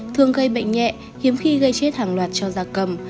thường gây bệnh nhẹ hiếm khi gây chết hàng loạt cho gia cầm